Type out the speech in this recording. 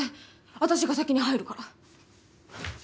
私が先に入るから。